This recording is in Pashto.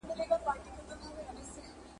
امپراتور عطا محمد نور او نور کسان په دیپلوماتیکه